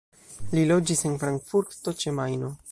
Li loĝis en Frankfurto ĉe Majno.